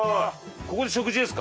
ここで食事ですか？